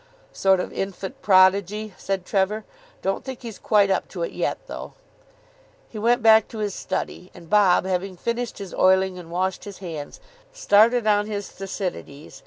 "Sort of infant prodigy," said Trevor. "Don't think he's quite up to it yet, though." He went back to his study, and Bob, having finished his oiling and washed his hands, started on his Thucydides.